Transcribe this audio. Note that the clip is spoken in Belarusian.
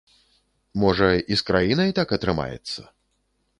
Можа, і з краінай так атрымаецца?